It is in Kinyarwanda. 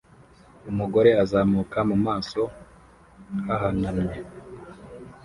Umugore azamuka mu maso hahanamye